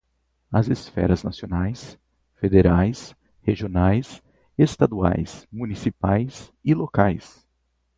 As esferas nacionais, federais, regionais, estaduais, municipais e locais